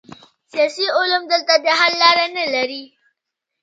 سیاسي علوم دلته د حل لاره نلري.